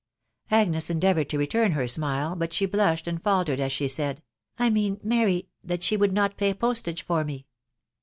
Agnes endeavoured to return her smile, but she blushed and faltered as she said, " I mean, Mary, that she would not pay postage for me."